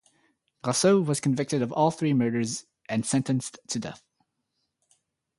Garceau was convicted of all three murders and sentenced to death.